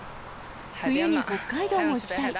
冬に北海道も行きたい。